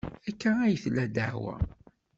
Akka ay tella ddeɛwa.